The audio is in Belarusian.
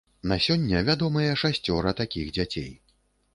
На сёння вядомыя шасцёра такіх дзяцей.